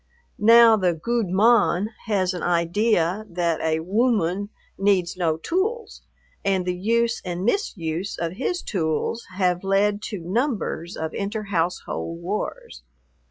Now the "gude mon" has an idea that a "wooman" needs no tools, and the use and misuse of his tools have led to numbers of inter household wars.